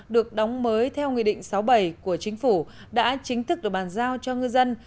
được đóng mới theo nghị định sáu bảy của chính phủ đã chính thức được bàn giao cho ngư dân